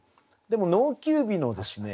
でも「農休日」のですね